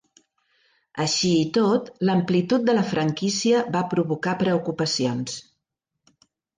Així i tot, l'amplitud de la franquícia va provocar preocupacions.